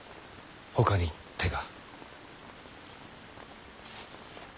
ほかに手が。